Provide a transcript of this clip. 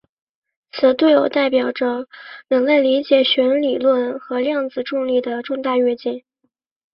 此对偶代表着人类理解弦理论和量子重力的重大跃进。